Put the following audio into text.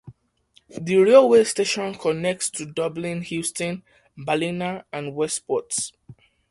The railway station connects to Dublin Heuston, Ballina and Westport.